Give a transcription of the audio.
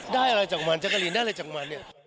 ได้อะไรจากมันจักรีย์ได้อะไรจากมัน